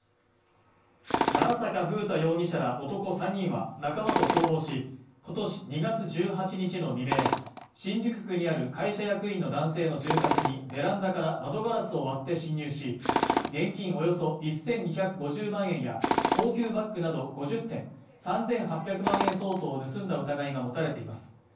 奈良坂楓太容疑者ら男３人は仲間と共謀し、今年２月１８日の未明、新宿区にある会社役員の男性の住宅にベランダから窓ガラスを割って侵入し、現金およそ１２５０万円や高級バッグなど５０点、３８００万円相当を盗んだ疑いが持たれています。